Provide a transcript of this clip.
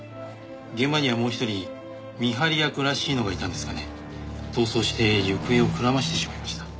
現場にはもう一人見張り役らしいのがいたんですがね逃走して行方をくらましてしまいました。